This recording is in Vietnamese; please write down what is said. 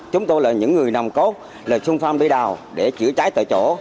chúng tôi là những người nồng cốt là trung phong bị đào để chữa cháy tại chỗ